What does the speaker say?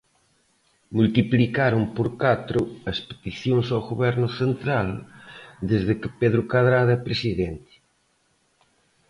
Multiplicaron por catro as peticións ao Goberno central desde que Pedro Cadrado é presidente.